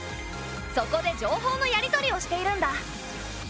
そこで情報のやり取りをしているんだ。